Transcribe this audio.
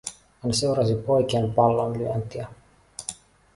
Hän seurasi poikien pallonlyöntiä.